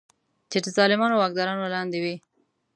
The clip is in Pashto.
چې د ظالمو واکدارانو لاندې وي.